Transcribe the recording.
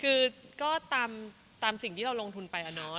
คือก็ตามสิ่งที่เราลงทุนไปอะเนาะ